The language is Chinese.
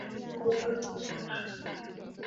奥乃格总是留恋于父母的原乡瑞士。